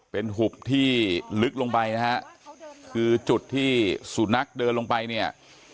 เป็นหุบที่ลึกลงไปนะฮะคือจุดที่สุนัขเดินลงไปเนี่ย